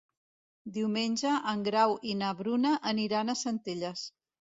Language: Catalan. Diumenge en Grau i na Bruna aniran a Centelles.